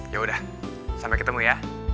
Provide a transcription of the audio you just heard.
ya udah sampai ketemu ya